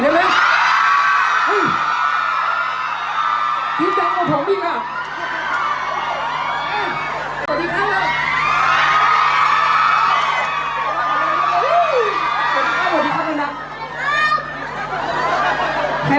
ที่รักเธอแม้รู้ต้องเจ็บเพียงใด